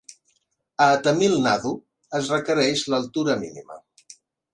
A Tamil Nadu es requereix l'altura mínima.